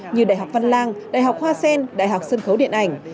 như đại học văn lang đại học hoa sen đại học sân khấu điện ảnh